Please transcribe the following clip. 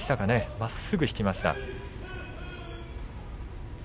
まっすぐ引きました。